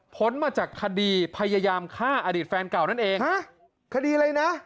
มาจากคดีพยายามฆ่าอดีตแฟนเก่านั่นเองฮะคดีอะไรนะ